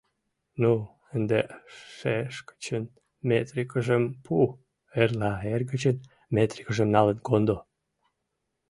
— Ну, ынде шешкычын метрикыжым пу, эрла эргычын метрикыжым налын кондо.